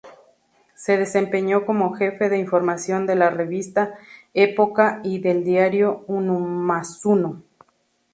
Se desempeñó como jefe de información de la revista "Época" y del diario "unomásuno".